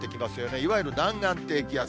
いわゆる南岸低気圧。